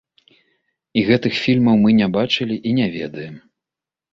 І гэтых фільмаў мы не бачылі і не ведаем.